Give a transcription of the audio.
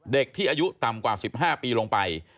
เด็กที่อายุต่ำกว่า๑๕ปีลงไป